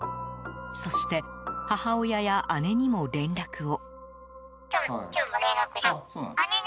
そして、母親や姉にも連絡を。